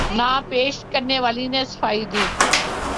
نام پیش کرنے والے نے صفائی دی